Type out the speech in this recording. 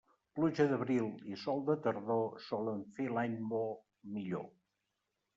Pluja d'abril i sol de tardor solen fer l'any bo millor.